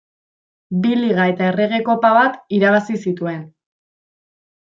Bi liga eta errege kopa bat irabazi zituen.